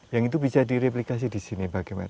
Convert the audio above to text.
yang itu bisa direplikasi di sini bagaimana